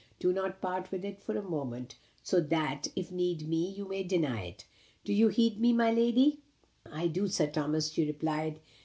Do not part with it for a moment; so that, if need be, you may destroy it. Do you heed me, my lady?" "I do, Sir Thomas," she replied.